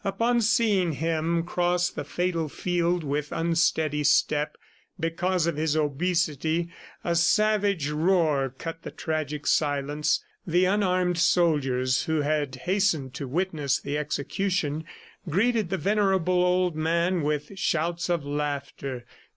Upon seeing him cross the fatal field with unsteady step, because of his obesity, a savage roar cut the tragic silence. The unarmed soldiers, who had hastened to witness the execution, greeted the venerable old man with shouts of laughter.